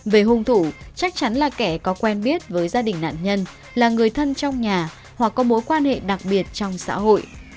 về hung thủ chắc chắn là kẻ có quen biết với gia đình nạn nhân là người thân trong nhà hoặc có mối quan hệ đặc biệt trong xã hội